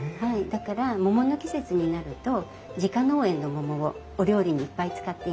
だから桃の季節になると自家農園の桃をお料理にいっぱい使っています。